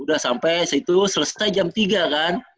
udah sampai situ selesai jam tiga kan